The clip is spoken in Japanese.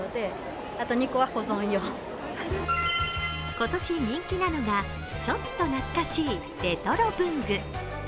今年人気なのがちょっと懐かしいレトロ文具。